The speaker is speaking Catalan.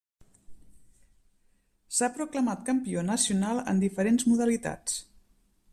S'ha proclamat campió nacional en diferents modalitats.